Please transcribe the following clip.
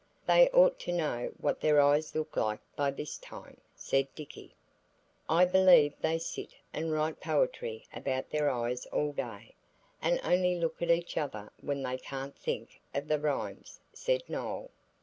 "They ought to know what their eyes look like by this time," said Dicky. "I believe they sit and write poetry about their eyes all day, and only look at each other when they can't think of the rhymes," said Noël.